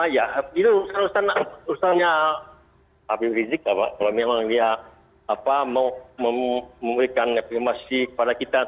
ya itu urusannya habib rizik kalau memang dia mau memberikan informasi kepada kita